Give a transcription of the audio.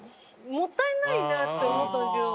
もったいないなって思ったんですよ